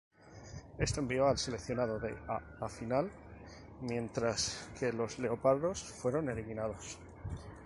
Esto envió al seleccionado de a la Final mientras que los "Leopardos" fueron eliminados.